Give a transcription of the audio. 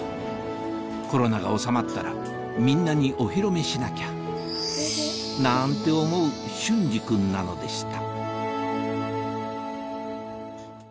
コロナが収まったらみんなにお披露目しなきゃなんて思う隼司君なのでした